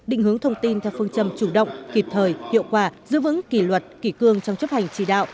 định hướng thông tin theo phương châm chủ động kịp thời hiệu quả giữ vững kỳ luật kỳ cương trong chấp hành trì đạo